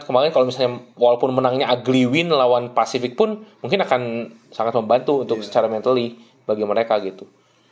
kemarin kalau misalnya walaupun menangnya agliwin lawan pasifik pun mungkin akan sangat membantu untuk secara mentally bagi mereka gitu